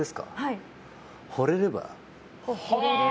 ほれれば。